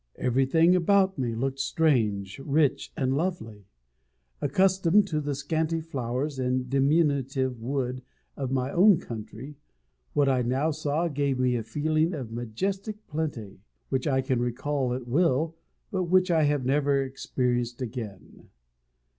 Everything about me looked strange, rich, and lovely. Accustomed to the scanty flowers and diminutive wood of my own country, what I now saw gave me a feeling of majestic plenty, which I can recall at will, but which I have never experienced again.